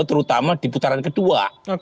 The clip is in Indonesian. terutama di putaran kedua